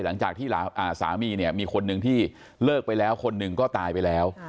หลังจากที่สามีเนี่ยมีคนหนึ่งที่เลิกไปแล้วคนหนึ่งก็ตายไปแล้ว